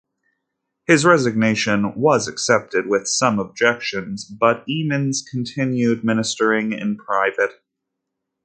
His resignation was accepted with some objections, but Emmons continued ministering in private.